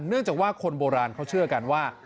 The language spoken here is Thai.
เนื่องจากว่าคนโบราณเขาเชื่อกันว่า